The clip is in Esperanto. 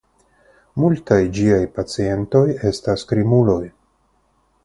Multaj ĝiaj pacientoj estas krimuloj.